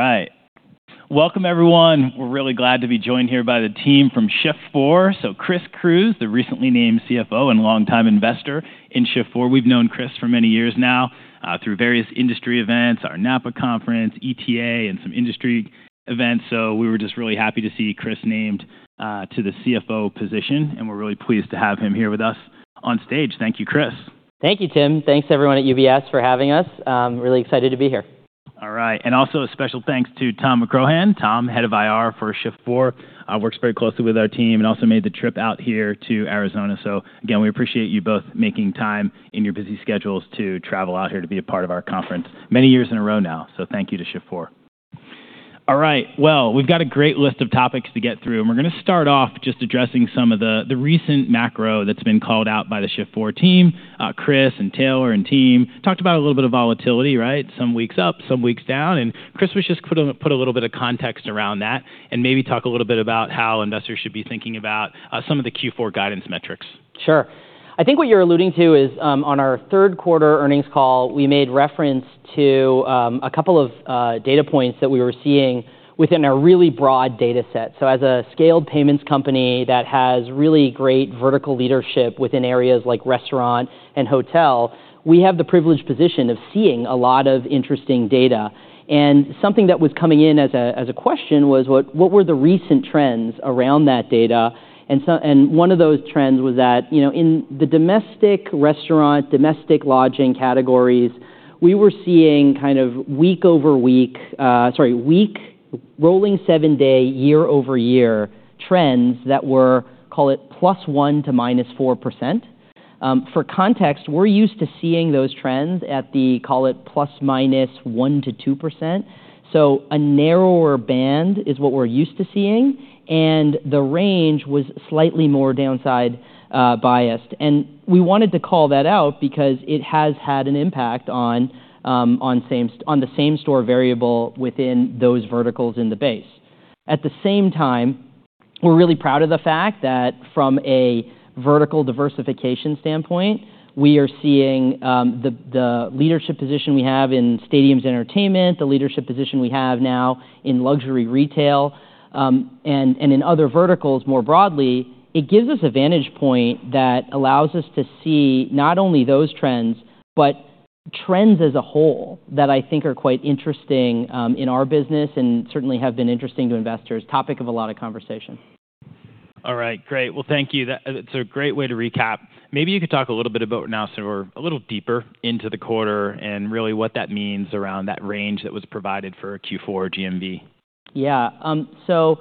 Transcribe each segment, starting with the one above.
All right. Welcome, everyone. We're really glad to be joined here by the team from Shift4. So, Chris Cruz, the recently named CFO and longtime investor in Shift4. We've known Chris for many years now through various industry events, our NAPA conference, ETA, and some industry events. So we were just really happy to see Chris named to the CFO position. And we're really pleased to have him here with us on stage. Thank you, Chris. Thank you, Tim. Thanks, everyone at UBS, for having us. Really excited to be here. All right. And also, a special thanks to Tom McCrohan. Tom, Head of IR for Shift4, works very closely with our team and also made the trip out here to Arizona. So, again, we appreciate you both making time in your busy schedules to travel out here to be a part of our conference many years in a row now. So thank you to Shift4. All right. Well, we've got a great list of topics to get through. And we're going to start off just addressing some of the recent macro that's been called out by the Shift4 team. Chris and Taylor and team talked about a little bit of volatility, right? Some weeks up, some weeks down. Chris was just going to put a little bit of context around that and maybe talk a little bit about how investors should be thinking about some of the Q4 guidance metrics. Sure. I think what you're alluding to is, on our third quarter earnings call, we made reference to a couple of data points that we were seeing within a really broad data set. So, as a scaled payments company that has really great vertical leadership within areas like restaurant and hotel, we have the privileged position of seeing a lot of interesting data. And something that was coming in as a question was, what were the recent trends around that data? And one of those trends was that, in the domestic restaurant, domestic lodging categories, we were seeing kind of week over week, sorry, rolling seven-day, year-over-year trends that were, call it, +1% to -4%. For context, we're used to seeing those trends at the, call it, ±1% to 2%. So a narrower band is what we're used to seeing. The range was slightly more downside biased. We wanted to call that out because it has had an impact on the same store variable within those verticals in the base. At the same time, we're really proud of the fact that, from a vertical diversification standpoint, we are seeing the leadership position we have in stadiums entertainment, the leadership position we have now in luxury retail, and in other verticals more broadly. It gives us a vantage point that allows us to see not only those trends, but trends as a whole that I think are quite interesting in our business and certainly have been interesting to investors, topic of a lot of conversation. All right. Great. Well, thank you. That's a great way to recap. Maybe you could talk a little bit about now, sort of a little deeper into the quarter and really what that means around that range that was provided for Q4 GMV. Yeah. So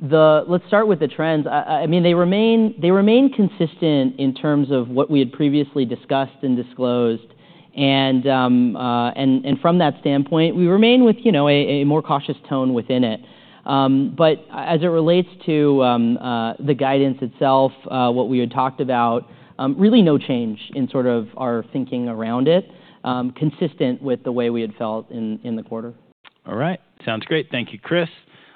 let's start with the trends. I mean, they remain consistent in terms of what we had previously discussed and disclosed. And from that standpoint, we remain with a more cautious tone within it. But as it relates to the guidance itself, what we had talked about, really no change in sort of our thinking around it, consistent with the way we had felt in the quarter. All right. Sounds great. Thank you, Chris.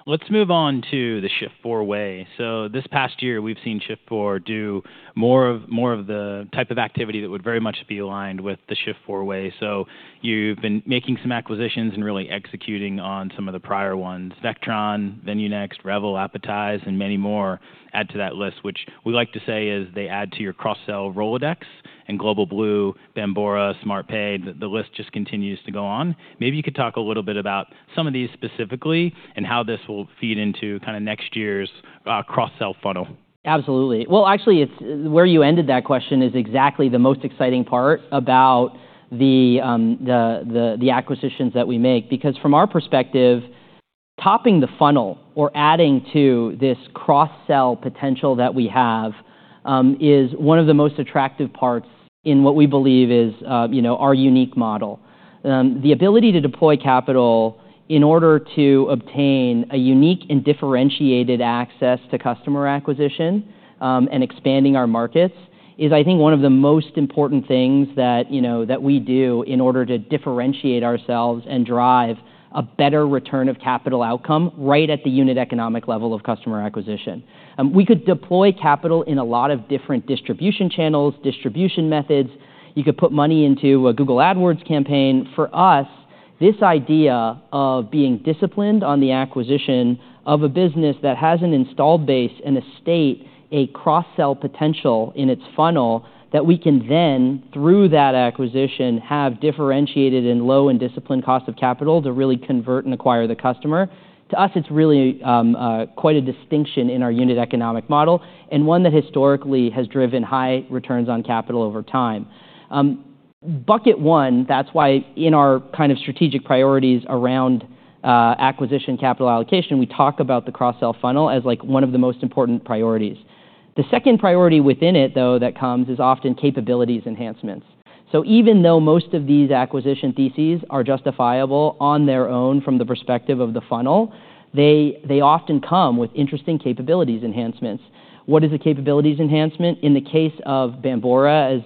Let's move on to the Shift4 way. So this past year, we've seen Shift4 do more of the type of activity that would very much be aligned with the Shift4 way. So you've been making some acquisitions and really executing on some of the prior ones: Vectron, VenueNext, Revel, Appetize, and many more add to that list, which we like to say is they add to your cross-sell Rolodex and Global Blue, Bambora, Smartpay. The list just continues to go on. Maybe you could talk a little bit about some of these specifically and how this will feed into kind of next year's cross-sell funnel. Absolutely. Well, actually, where you ended that question is exactly the most exciting part about the acquisitions that we make. Because from our perspective, topping the funnel or adding to this cross-sell potential that we have is one of the most attractive parts in what we believe is our unique model. The ability to deploy capital in order to obtain a unique and differentiated access to customer acquisition and expanding our markets is, I think, one of the most important things that we do in order to differentiate ourselves and drive a better return of capital outcome right at the unit economic level of customer acquisition. We could deploy capital in a lot of different distribution channels, distribution methods. You could put money into a Google AdWords campaign. For us, this idea of being disciplined on the acquisition of a business that has an installed base and a stake, a cross-sell potential in its funnel that we can then, through that acquisition, have differentiated and low and disciplined cost of capital to really convert and acquire the customer, to us, it's really quite a distinction in our unit economic model and one that historically has driven high returns on capital over time. Bucket one, that's why in our kind of strategic priorities around acquisition capital allocation, we talk about the cross-sell funnel as one of the most important priorities. The second priority within it, though, that comes is often capabilities enhancements. So even though most of these acquisition theses are justifiable on their own from the perspective of the funnel, they often come with interesting capabilities enhancements. What is a capabilities enhancement? In the case of Bambora,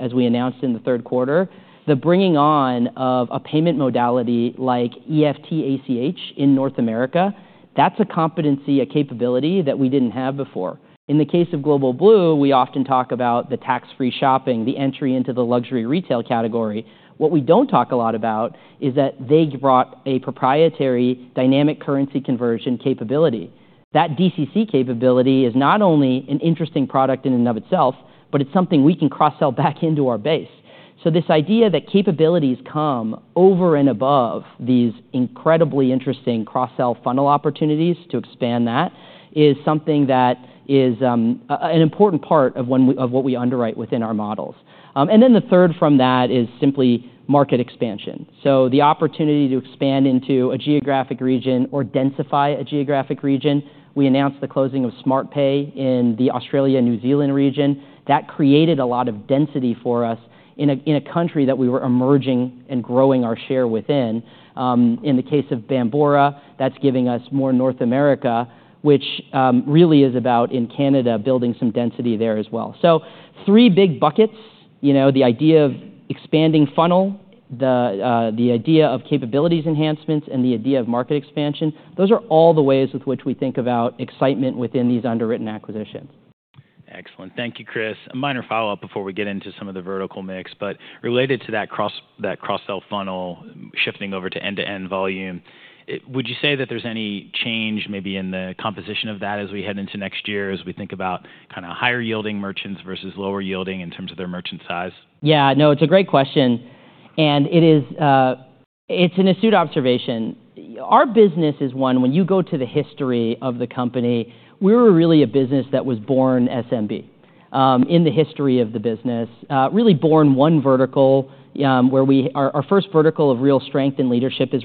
as we announced in the third quarter, the bringing on of a payment modality like EFT/ACH in North America, that's a competency, a capability that we didn't have before. In the case of Global Blue, we often talk about the tax-free shopping, the entry into the luxury retail category. What we don't talk a lot about is that they brought a proprietary dynamic currency conversion capability. That DCC capability is not only an interesting product in and of itself, but it's something we can cross-sell back into our base. So this idea that capabilities come over and above these incredibly interesting cross-sell funnel opportunities to expand that is something that is an important part of what we underwrite within our models. And then the third from that is simply market expansion. So the opportunity to expand into a geographic region or densify a geographic region. We announced the closing of Smartpay in the Australia and New Zealand region. That created a lot of density for us in a country that we were emerging and growing our share within. In the case of Bambora, that's giving us more North America, which really is about, in Canada, building some density there as well. So three big buckets: the idea of expanding funnel, the idea of capabilities enhancements, and the idea of market expansion. Those are all the ways with which we think about excitement within these underwritten acquisitions. Excellent. Thank you, Chris. A minor follow-up before we get into some of the vertical mix. But related to that cross-sell funnel, shifting over to end-to-end volume, would you say that there's any change maybe in the composition of that as we head into next year, as we think about kind of higher-yielding merchants versus lower-yielding in terms of their merchant size? Yeah. No, it's a great question. And it's an astute observation. Our business is one, when you go to the history of the company, we were really a business that was born SMB in the history of the business, really born one vertical where our first vertical of real strength and leadership was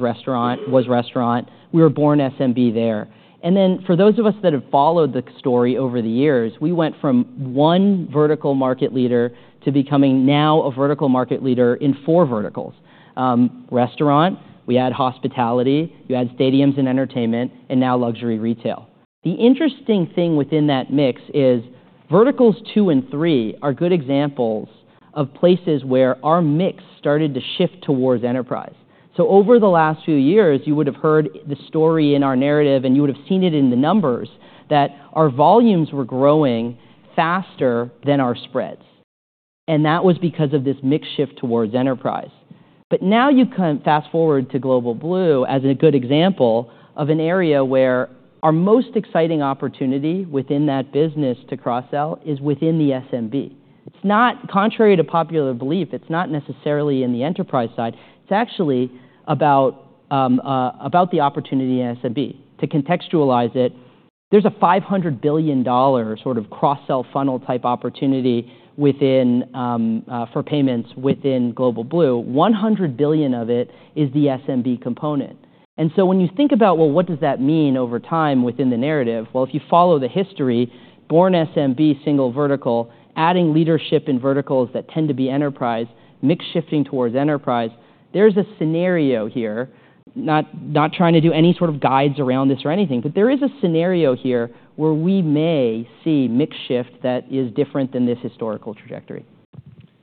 restaurant. We were born SMB there. And then for those of us that have followed the story over the years, we went from one vertical market leader to becoming now a vertical market leader in four verticals: restaurant, we add hospitality, you add stadiums and entertainment, and now luxury retail. The interesting thing within that mix is verticals two and three are good examples of places where our mix started to shift towards enterprise. So over the last few years, you would have heard the story in our narrative, and you would have seen it in the numbers, that our volumes were growing faster than our spreads. And that was because of this mix shift towards enterprise. But now you can fast forward to Global Blue as a good example of an area where our most exciting opportunity within that business to cross-sell is within the SMB. It's not, contrary to popular belief, it's not necessarily in the enterprise side. It's actually about the opportunity in SMB. To contextualize it, there's a $500 billion sort of cross-sell funnel type opportunity for payments within Global Blue. $100 billion of it is the SMB component. And so when you think about, well, what does that mean over time within the narrative? If you follow the history, born SMB, single vertical, adding leadership in verticals that tend to be enterprise, mix shifting towards enterprise, there is a scenario here. Not trying to do any sort of guides around this or anything, but there is a scenario here where we may see mix shift that is different than this historical trajectory.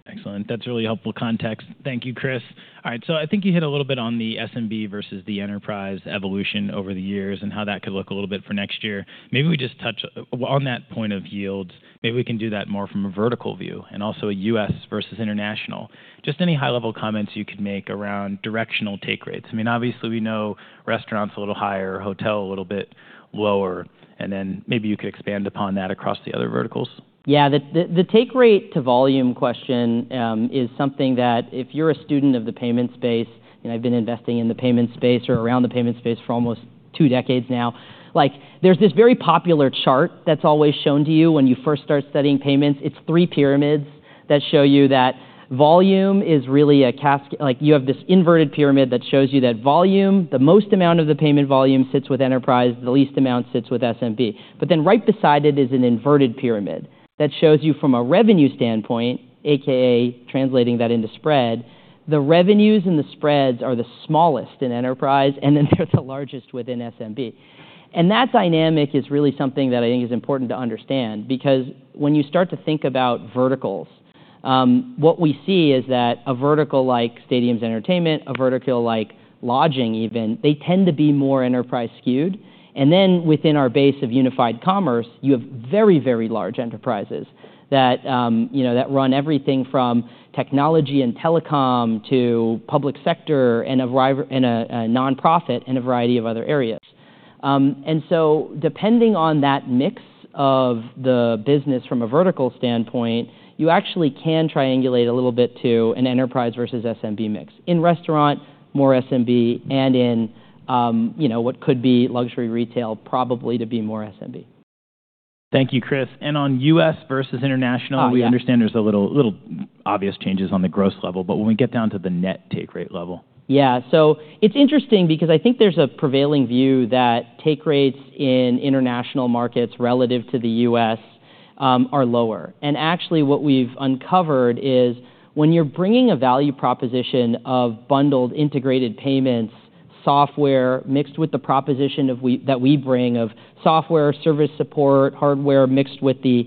Excellent. That's really helpful context. Thank you, Chris. All right. So I think you hit a little bit on the SMB versus the enterprise evolution over the years and how that could look a little bit for next year. Maybe we just touch on that point of yields. Maybe we can do that more from a vertical view and also a U.S. versus international. Just any high-level comments you could make around directional take rates? I mean, obviously, we know restaurants a little higher, hotel a little bit lower. And then maybe you could expand upon that across the other verticals. Yeah. The take rate to volume question is something that, if you're a student of the payment space, and I've been investing in the payment space or around the payment space for almost two decades now, there's this very popular chart that's always shown to you when you first start studying payments. It's three pyramids that show you that volume is really a cascade. You have this inverted pyramid that shows you that volume, the most amount of the payment volume sits with enterprise, the least amount sits with SMB. But then right beside it is an inverted pyramid that shows you from a revenue standpoint, a.k.a. translating that into spread, the revenues and the spreads are the smallest in enterprise, and then they're the largest within SMB. And that dynamic is really something that I think is important to understand. Because when you start to think about verticals, what we see is that a vertical like stadiums entertainment, a vertical like lodging even, they tend to be more enterprise skewed, and then within our base of unified commerce, you have very, very large enterprises that run everything from technology and telecom to public sector and a nonprofit and a variety of other areas, and so depending on that mix of the business from a vertical standpoint, you actually can triangulate a little bit to an enterprise versus SMB mix, in restaurant, more SMB, and in what could be luxury retail, probably to be more SMB. Thank you, Chris. And on U.S. versus international, we understand there's a little obvious changes on the gross level. But when we get down to the net take rate level. Yeah. So it's interesting because I think there's a prevailing view that take rates in international markets relative to the U.S. are lower. And actually, what we've uncovered is when you're bringing a value proposition of bundled integrated payments software mixed with the proposition that we bring of software, service support, hardware mixed with the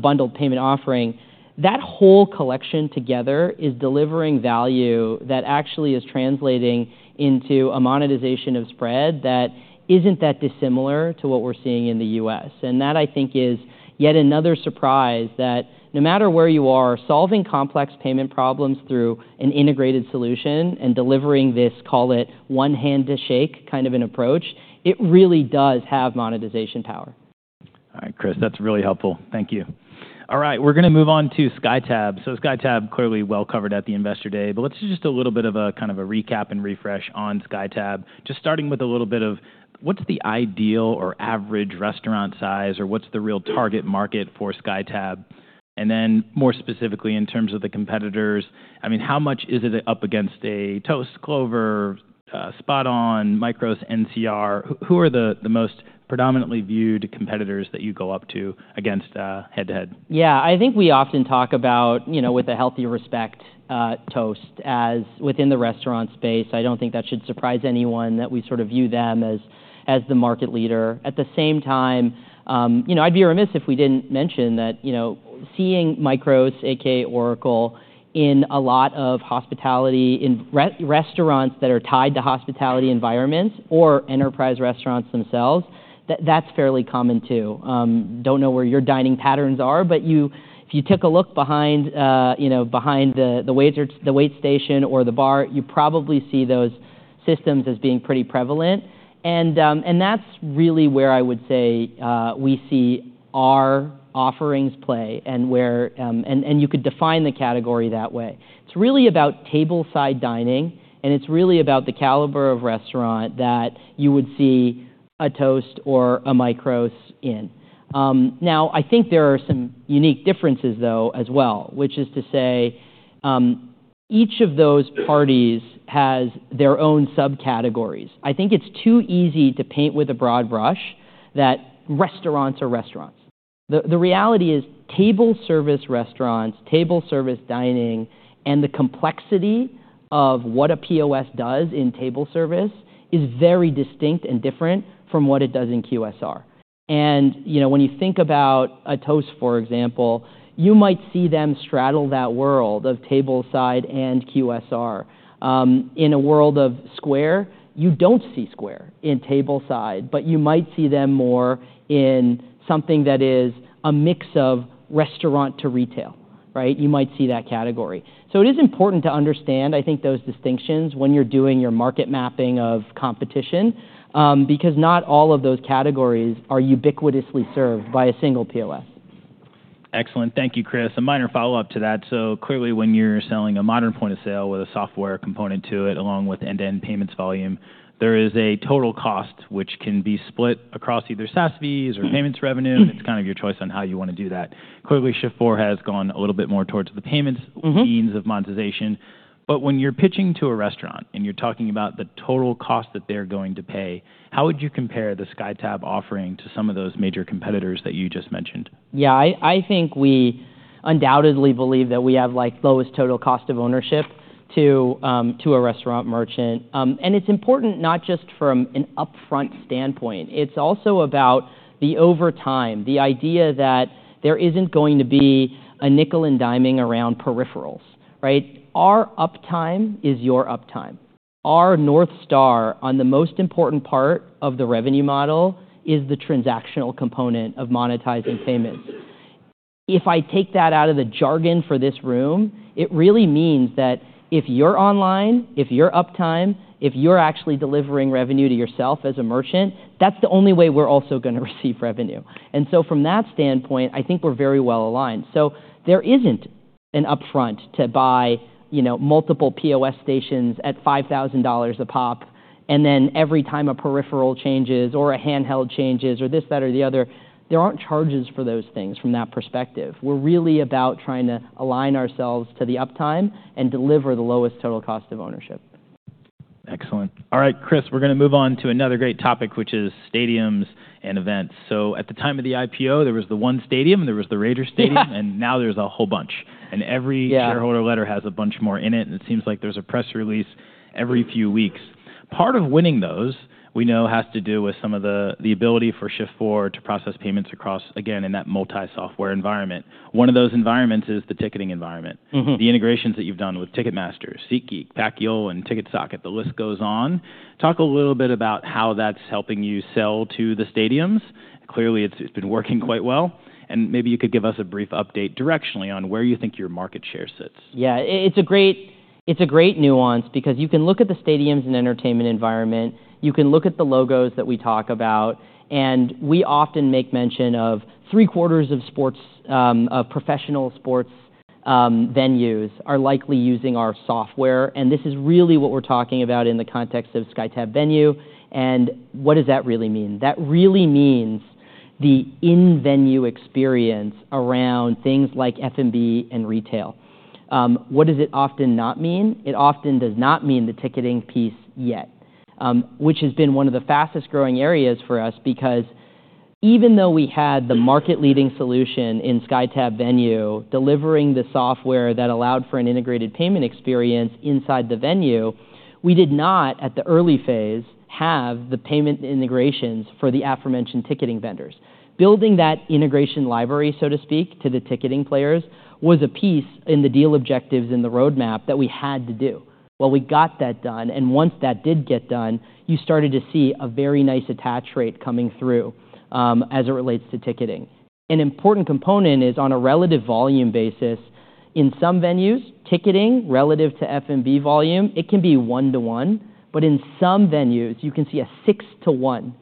bundled payment offering, that whole collection together is delivering value that actually is translating into a monetization of spread that isn't that dissimilar to what we're seeing in the U.S. And that, I think, is yet another surprise that no matter where you are, solving complex payment problems through an integrated solution and delivering this, call it one hand to shake kind of an approach, it really does have monetization power. All right, Chris. That's really helpful. Thank you. All right. We're going to move on to SkyTab. So SkyTab, clearly well covered at the investor day. But let's do just a little bit of a kind of a recap and refresh on SkyTab, just starting with a little bit of what's the ideal or average restaurant size or what's the real target market for SkyTab? And then more specifically in terms of the competitors, I mean, how much is it up against a Toast, Clover, SpotOn, MICROS, NCR? Who are the most predominantly viewed competitors that you go up against head to head? Yeah. I think we often talk about, with a healthy respect, Toast as within the restaurant space. I don't think that should surprise anyone that we sort of view them as the market leader. At the same time, I'd be remiss if we didn't mention that seeing MICROS, a.k.a. Oracle, in a lot of hospitality in restaurants that are tied to hospitality environments or enterprise restaurants themselves, that's fairly common too. Don't know where your dining patterns are, but if you took a look behind the wait station or the bar, you probably see those systems as being pretty prevalent, and that's really where I would say we see our offerings play and you could define the category that way. It's really about table-side dining, and it's really about the caliber of restaurant that you would see a Toast or a MICROS in. Now, I think there are some unique differences, though, as well, which is to say each of those parties has their own subcategories. I think it's too easy to paint with a broad brush that restaurants are restaurants. The reality is table service restaurants, table service dining, and the complexity of what a POS does in table service is very distinct and different from what it does in QSR. And when you think about a Toast, for example, you might see them straddle that world of table side and QSR. In a world of Square, you don't see Square in table side, but you might see them more in something that is a mix of restaurant to retail. You might see that category. So it is important to understand, I think, those distinctions when you're doing your market mapping of competition because not all of those categories are ubiquitously served by a single POS. Excellent. Thank you, Chris. A minor follow-up to that. So clearly, when you're selling a modern point of sale with a software component to it along with end-to-end payments volume, there is a total cost which can be split across either SaaS fees or payments revenue. It's kind of your choice on how you want to do that. Clearly, Shift4 has gone a little bit more towards the payments means of monetization. But when you're pitching to a restaurant and you're talking about the total cost that they're going to pay, how would you compare the SkyTab offering to some of those major competitors that you just mentioned? Yeah. I think we undoubtedly believe that we have lowest total cost of ownership to a restaurant merchant. And it's important not just from an upfront standpoint. It's also about the overtime, the idea that there isn't going to be a nickel and diming around peripherals. Our uptime is your uptime. Our North Star on the most important part of the revenue model is the transactional component of monetizing payments. If I take that out of the jargon for this room, it really means that if you're online, if you're uptime, if you're actually delivering revenue to yourself as a merchant, that's the only way we're also going to receive revenue. And so from that standpoint, I think we're very well aligned. So there isn't an upfront to buy multiple POS stations at $5,000 a pop. And then every time a peripheral changes or a handheld changes or this, that, or the other, there aren't charges for those things from that perspective. We're really about trying to align ourselves to the uptime and deliver the lowest total cost of ownership. Excellent. All right, Chris, we're going to move on to another great topic, which is stadiums and events, so at the time of the IPO, there was the one stadium, and there was the Raiders' Stadium, and now there's a whole bunch, and every shareholder letter has a bunch more in it, and it seems like there's a press release every few weeks. Part of winning those, we know, has to do with some of the ability for Shift4 to process payments across, again, in that multi-software environment. One of those environments is the ticketing environment, the integrations that you've done with Ticketmaster, SeatGeek, PacYole, and TicketSocket. The list goes on. Talk a little bit about how that's helping you sell to the stadiums. Clearly, it's been working quite well, and maybe you could give us a brief update directionally on where you think your market share sits. Yeah. It's a great nuance because you can look at the stadiums and entertainment environment. You can look at the logos that we talk about. And we often make mention of three-quarters of professional sports venues are likely using our software. And this is really what we're talking about in the context of SkyTab Venue. And what does that really mean? That really means the in-venue experience around things like FMB and retail. What does it often not mean? It often does not mean the ticketing piece yet, which has been one of the fastest growing areas for us because even though we had the market-leading solution in SkyTab Venue delivering the software that allowed for an integrated payment experience inside the venue, we did not, at the early phase, have the payment integrations for the aforementioned ticketing vendors. Building that integration library, so to speak, to the ticketing players was a piece in the deal objectives in the roadmap that we had to do, well, we got that done, and once that did get done, you started to see a very nice attach rate coming through as it relates to ticketing. An important component is on a relative volume basis. In some venues, ticketing relative to FMB volume, it can be one to one, but in some venues, you can see a six to one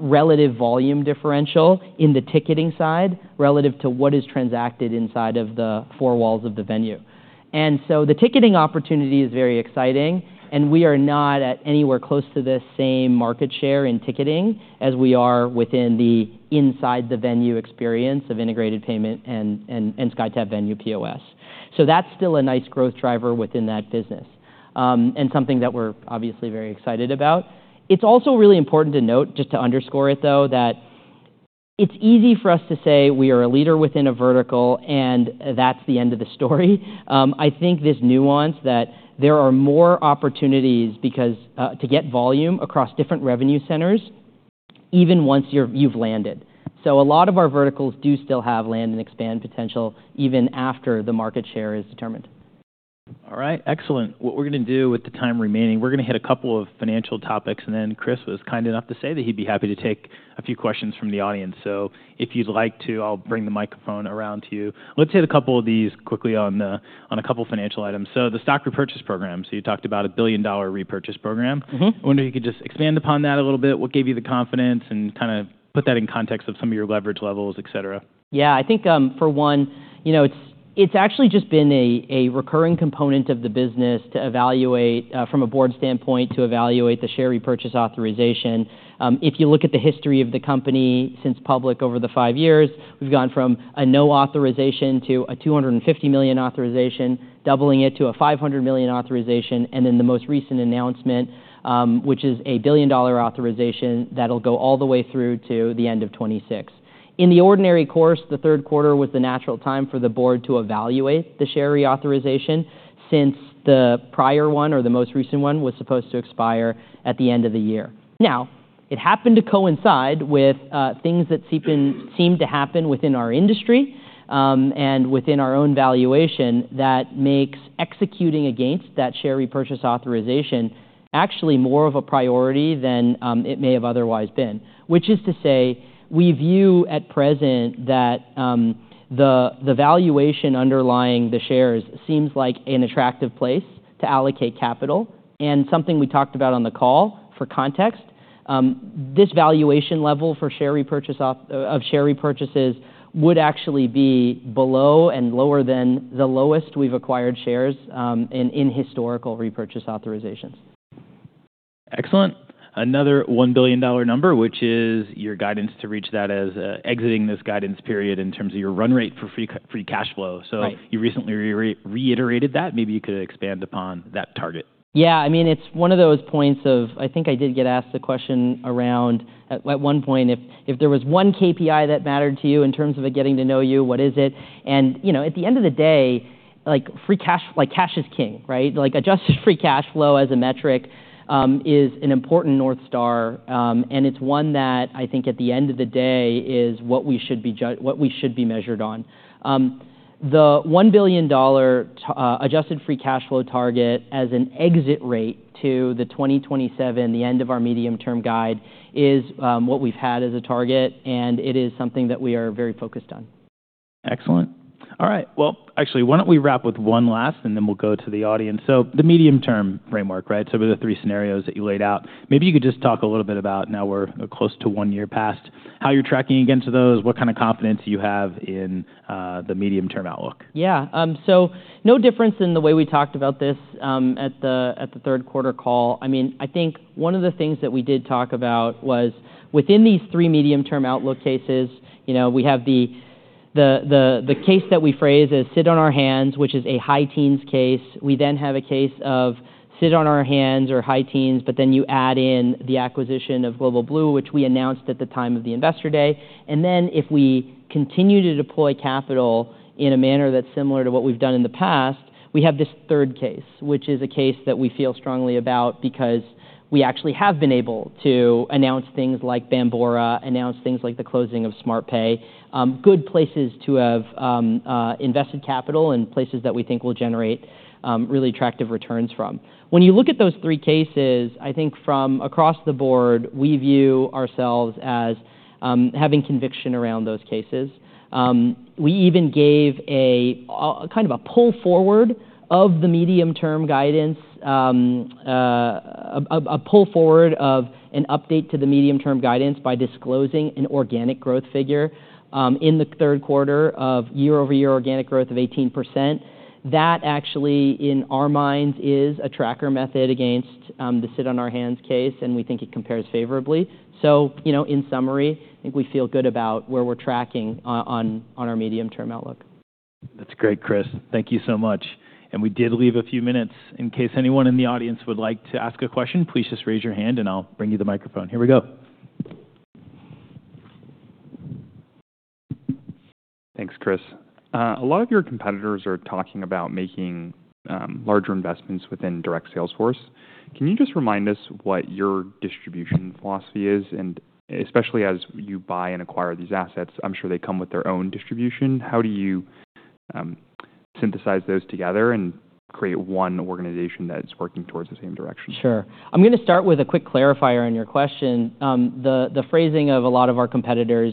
relative volume differential in the ticketing side relative to what is transacted inside of the four walls of the venue, and so the ticketing opportunity is very exciting, and we are not anywhere close to the same market share in ticketing as we are within the inside the venue experience of integrated payment and SkyTab Venue POS. So that's still a nice growth driver within that business and something that we're obviously very excited about. It's also really important to note, just to underscore it, though, that it's easy for us to say we are a leader within a vertical, and that's the end of the story. I think this nuance that there are more opportunities to get volume across different revenue centers even once you've landed. So a lot of our verticals do still have land and expand potential even after the market share is determined. All right. Excellent. What we're going to do with the time remaining, we're going to hit a couple of financial topics, and then Chris was kind enough to say that he'd be happy to take a few questions from the audience, so if you'd like to, I'll bring the microphone around to you. Let's hit a couple of these quickly on a couple of financial items, so the stock repurchase program, so you talked about a $1 billion repurchase program. I wonder if you could just expand upon that a little bit. What gave you the confidence and kind of put that in context of some of your leverage levels, et cetera? Yeah. I think for one, it's actually just been a recurring component of the business from a board standpoint to evaluate the share repurchase authorization. If you look at the history of the company since public over the five years, we've gone from a no authorization to a $250 million authorization, doubling it to a $500 million authorization. And then the most recent announcement, which is a $1 billion authorization, that'll go all the way through to the end of 2026. In the ordinary course, the third quarter was the natural time for the board to evaluate the share reauthorization since the prior one or the most recent one was supposed to expire at the end of the year. Now, it happened to coincide with things that seemed to happen within our industry and within our own valuation that makes executing against that share repurchase authorization actually more of a priority than it may have otherwise been, which is to say we view at present that the valuation underlying the shares seems like an attractive place to allocate capital. And something we talked about on the call for context, this valuation level of share repurchases would actually be below and lower than the lowest we've acquired shares in historical repurchase authorizations. Excellent. Another $1 billion number, which is your guidance to reach that as exiting this guidance period in terms of your run rate for free cash flow. So you recently reiterated that. Maybe you could expand upon that target. Yeah. I mean, it's one of those points of I think I did get asked the question around at one point if there was one KPI that mattered to you in terms of getting to know you, what is it? And at the end of the day, cash is king. Adjusted free cash flow as a metric is an important North Star. And it's one that I think at the end of the day is what we should be measured on. The $1 billion adjusted free cash flow target as an exit rate to the 2027, the end of our medium-term guide is what we've had as a target. And it is something that we are very focused on. Excellent. All right, well, actually, why don't we wrap with one last, and then we'll go to the audience. So the medium-term framework, right? So the three scenarios that you laid out, maybe you could just talk a little bit about now we're close to one year past, how you're tracking against those, what kind of confidence you have in the medium-term outlook. Yeah, so no difference in the way we talked about this at the third quarter call. I mean, I think one of the things that we did talk about was within these three medium-term outlook cases, we have the case that we phrase as sit on our hands, which is a high teens case. We then have a case of sit on our hands or high teens, but then you add in the acquisition of Global Blue, which we announced at the time of the investor day. And then if we continue to deploy capital in a manner that's similar to what we've done in the past, we have this third case, which is a case that we feel strongly about because we actually have been able to announce things like Bambora, announce things like the closing of Smartpay, good places to have invested capital and places that we think will generate really attractive returns from. When you look at those three cases, I think from across the board, we view ourselves as having conviction around those cases. We even gave a kind of a pull forward of the medium-term guidance, a pull forward of an update to the medium-term guidance by disclosing an organic growth figure in the third quarter of year-over-year organic growth of 18%. That actually, in our minds, is a tracker method against the sit on our hands case, and we think it compares favorably. So in summary, I think we feel good about where we're tracking on our medium-term outlook. That's great, Chris. Thank you so much. And we did leave a few minutes in case anyone in the audience would like to ask a question. Please just raise your hand, and I'll bring you the microphone. Here we go. Thanks, Chris. A lot of your competitors are talking about making larger investments within direct sales force. Can you just remind us what your distribution philosophy is? And especially as you buy and acquire these assets, I'm sure they come with their own distribution. How do you synthesize those together and create one organization that's working towards the same direction? Sure. I'm going to start with a quick clarifier on your question. The phrasing of a lot of our competitors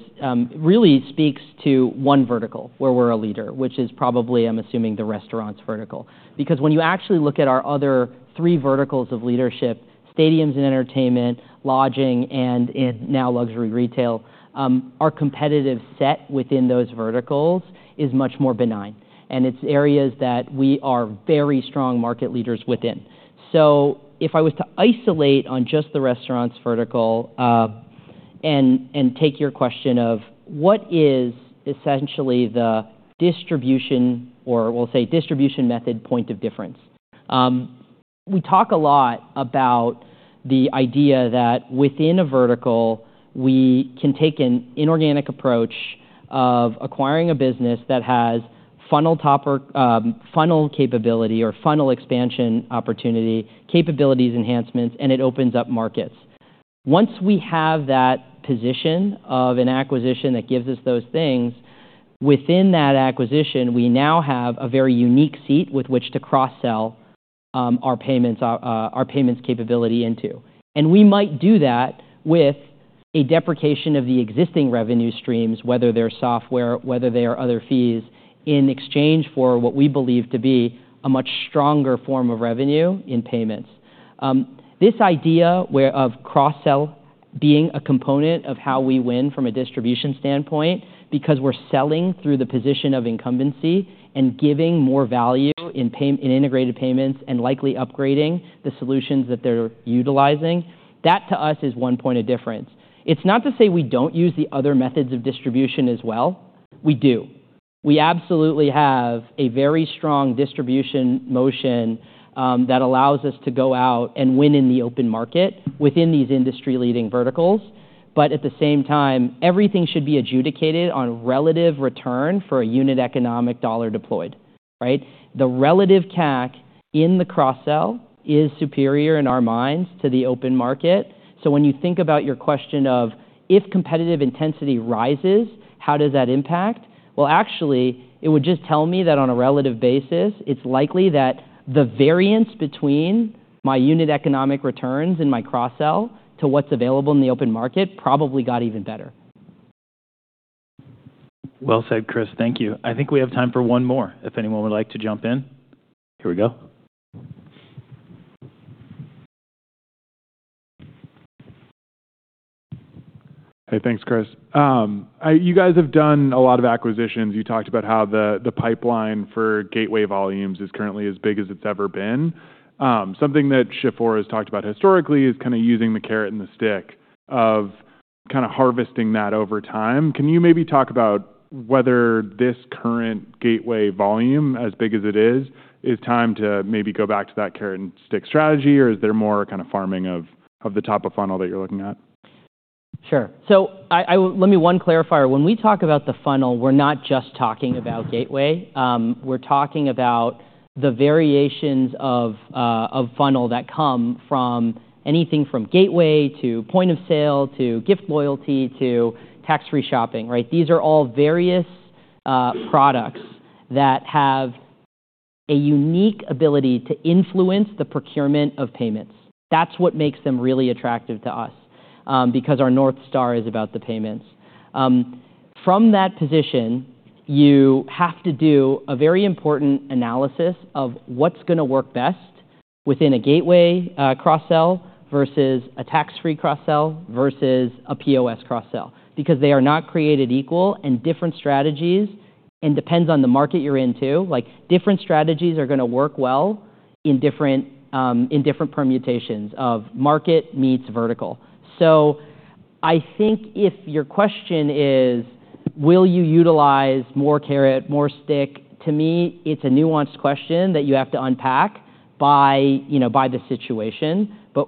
really speaks to one vertical where we're a leader, which is probably, I'm assuming, the restaurants vertical. Because when you actually look at our other three verticals of leadership, stadiums and entertainment, lodging, and now luxury retail, our competitive set within those verticals is much more benign, and it's areas that we are very strong market leaders within, so if I was to isolate on just the restaurants vertical and take your question of what is essentially the distribution or we'll say distribution method point of difference, we talk a lot about the idea that within a vertical, we can take an inorganic approach of acquiring a business that has funnel capability or funnel expansion opportunity, capabilities enhancements, and it opens up markets. Once we have that position of an acquisition that gives us those things, within that acquisition, we now have a very unique seat with which to cross-sell our payments capability into, and we might do that with a deprecation of the existing revenue streams, whether they're software, whether they are other fees, in exchange for what we believe to be a much stronger form of revenue in payments. This idea of cross-sell being a component of how we win from a distribution standpoint because we're selling through the position of incumbency and giving more value in integrated payments and likely upgrading the solutions that they're utilizing, that to us is one point of difference. It's not to say we don't use the other methods of distribution as well. We do. We absolutely have a very strong distribution motion that allows us to go out and win in the open market within these industry-leading verticals. But at the same time, everything should be adjudicated on relative return for a unit economic dollar deployed, right? The relative CAC in the cross-sell is superior in our minds to the open market. So when you think about your question of if competitive intensity rises, how does that impact? Well, actually, it would just tell me that on a relative basis, it's likely that the variance between my unit economic returns and my cross-sell to what's available in the open market probably got even better. Well said, Chris. Thank you. I think we have time for one more if anyone would like to jump in. Here we go. Hey, thanks, Chris. You guys have done a lot of acquisitions. You talked about how the pipeline for gateway volumes is currently as big as it's ever been. Something that Shift4 has talked about historically is kind of using the carrot and the stick of kind of harvesting that over time. Can you maybe talk about whether this current gateway volume, as big as it is, is time to maybe go back to that carrot and stick strategy, or is there more kind of farming of the top of funnel that you're looking at? Sure. So let me one clarifier. When we talk about the funnel, we're not just talking about gateway. We're talking about the variations of funnel that come from anything from gateway to point of sale to gift loyalty to tax-free shopping, right? These are all various products that have a unique ability to influence the procurement of payments. That's what makes them really attractive to us because our North Star is about the payments. From that position, you have to do a very important analysis of what's going to work best within a gateway cross-sell versus a tax-free cross-sell versus a POS cross-sell because they are not created equal and different strategies and depends on the market you're into. Different strategies are going to work well in different permutations of market meets vertical. So I think if your question is, will you utilize more carrot, more stick? To me, it's a nuanced question that you have to unpack by the situation. But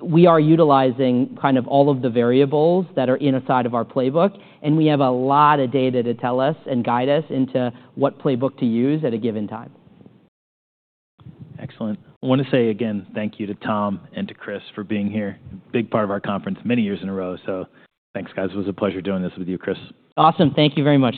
we are utilizing kind of all of the variables that are inside of our playbook, and we have a lot of data to tell us and guide us into what playbook to use at a given time. Excellent. I want to say again, thank you to Tom and to Chris for being here, a big part of our conference many years in a row. So thanks, guys. It was a pleasure doing this with you, Chris. Awesome. Thank you very much.